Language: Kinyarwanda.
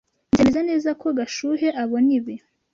Nzemeza neza ko Gashuhe abona ibi.